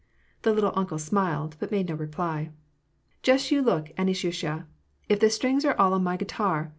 The "little uncle" smiled, but made no reply. "Just you look, Anisyushya, if the strings are all on my guitar